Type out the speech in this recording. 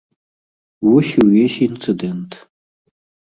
Вось і ўвесь інцыдэнт.